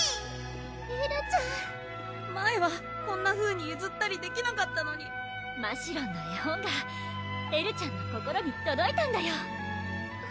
エルちゃん前はこんなふうにゆずったりできなかったのにましろんの絵本がエルちゃんの心にとどいたんだよ